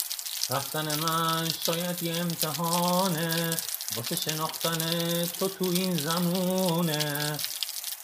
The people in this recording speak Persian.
رفتن من شاید یه امتحانه واسه شناخت تو تو این زمونه